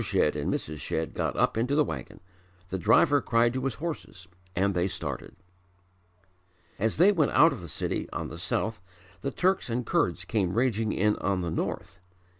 Shedd and Mrs. Shedd got up into the wagon; the driver cried to his horses and they started. As they went out of the city on the south the Turks and Kurds came raging in on the north.